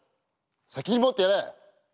責任持ってやれ！